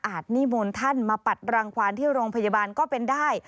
นิมนต์ท่านมาปัดรังความที่โรงพยาบาลก็เป็นได้